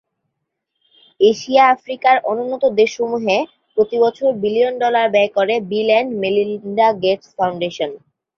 এশিয়া-আফ্রিকার অনুন্নত দেশসমূহে প্রতিবছর বিলিয়ন ডলার ব্যয় করে Bill and Melinda Gates foundation.